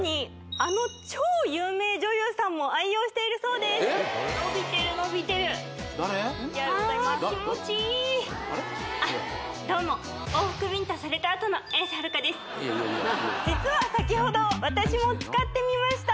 ああ気持ちいいあっどうも実は先ほど私も使ってみました